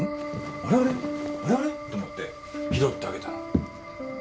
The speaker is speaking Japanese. あれあれ？と思って拾ってあげたの。